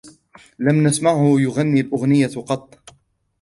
لم نسمعه يغني الأغنية قط.